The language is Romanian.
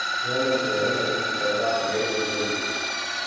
Nu în ultimul rând, există problema temeiului juridic.